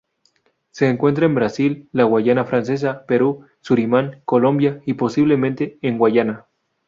Se encuentra en Brasil, la Guayana Francesa, Perú, Surinam, Colombia y, posiblemente, en Guyana.